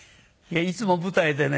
いつも舞台でね